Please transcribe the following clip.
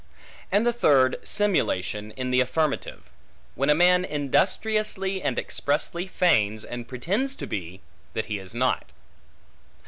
And the third, simulation, in the affirmative; when a man industriously and expressly feigns and pretends to be, that he is not.